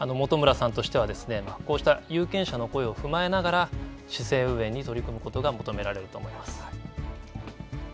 本村さんとしてはこうした有権者の声を踏まえながら市政運営に取り組むことが求められると思います。